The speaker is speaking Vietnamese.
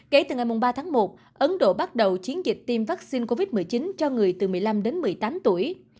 kể từ ngày ba tháng một ấn độ bắt đầu chiến dịch tiêm vaccine covid một mươi chín cho người từ một mươi năm đến một mươi tám tuổi